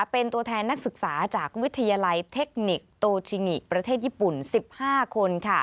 เป็นตัวแทนนักศึกษาจากวิทยาลัยเทคนิคโตชิงิประเทศญี่ปุ่น๑๕คน